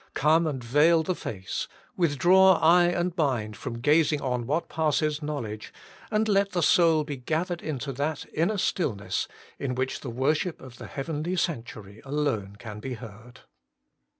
Come and veil the face : with draw eye and mind from gazing on what passes knowledge, and let the soul be gathered into that inner stillness, in which the worship of the heavenly Sanctuary alone can be heard.